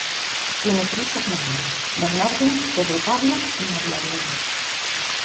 Tiene tres hermanos: Bernardo, Pedro Pablo y María Elena.